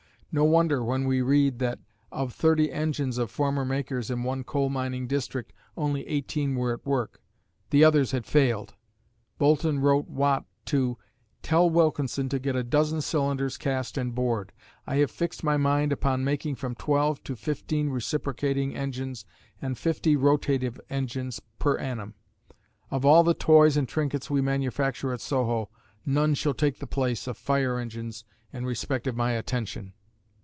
No wonder when we read that of thirty engines of former makers in one coal mining district only eighteen were at work. The others had failed. Boulton wrote Watt to tell Wilkinson to get a dozen cylinders cast and bored ... I have fixed my mind upon making from twelve to fifteen reciprocating engines and fifty rotative engines per annum. Of all the toys and trinkets we manufacture at Soho, none shall take the place of fire engines in respect of my attention.